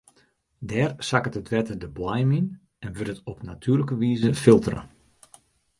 Dêr sakket it wetter de boaiem yn en wurdt it op natuerlike wize filtere.